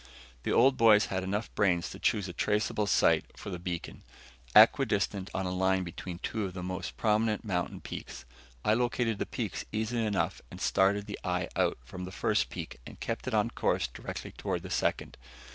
The old boys had enough brains to choose a traceable site for the beacon, equidistant on a line between two of the most prominent mountain peaks. I located the peaks easily enough and started the eye out from the first peak and kept it on a course directly toward the second.